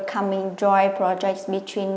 có những cơ hội tiếp theo